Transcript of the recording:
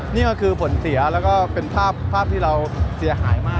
นี่ก็คือผลเสียแล้วก็เป็นภาพที่เราเสียหายมาก